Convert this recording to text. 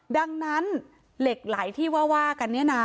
ดังนั้นเหล็กไหลที่ว่ากันเนี่ยนะ